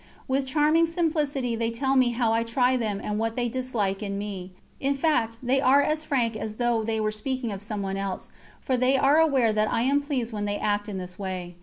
With charming simplicity, they tell me how I try them and what they dislike in me; in fact, they are as frank as though they were speaking of someone else, for they are aware that I am pleased when they act in this way.